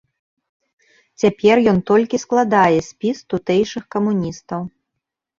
Цяпер ён толькі складае спіс тутэйшых камуністаў.